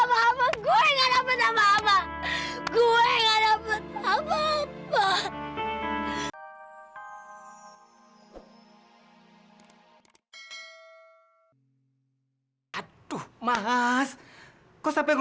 kalau mas nanti cerah dari non cleo